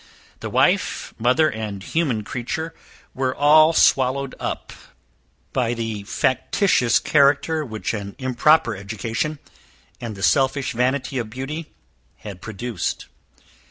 The wife, mother, and human creature, were all swallowed up by the factitious character, which an improper education, and the selfish vanity of beauty, had produced.